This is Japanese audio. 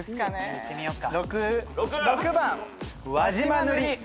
いってみようか。